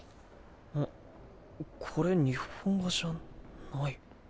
これ日本画じゃない？